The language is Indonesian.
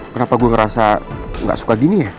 kenapa gue ngerasa gak suka gini ya